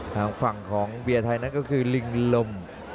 ทางฝั่งของเบียร์ไทยนั้นก็คือลิงลม